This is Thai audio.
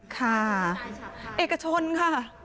ค่ะเอกชนค่ะ